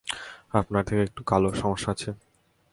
আপনার থেকে একটু কালো, সমস্যা আছে?